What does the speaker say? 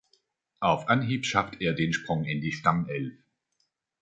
Auf Anhieb schafft er den Sprung in die Stammelf.